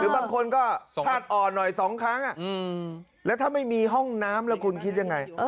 บางคนก็ธาตุอ่อนหน่อย๒ครั้งแล้วถ้าไม่มีห้องน้ำแล้วคุณคิดยังไง